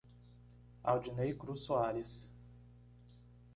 Aldiney Cruz Soares